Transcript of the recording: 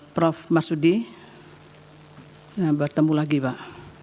prof masudi bertemu lagi pak